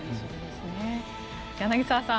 柳澤さん